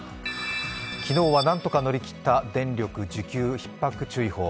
昨日はなんとか乗り切った電力需給ひっ迫注意報。